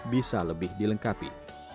bisa lebih dilengkapi